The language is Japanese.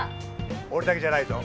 俺だけじゃないぞ。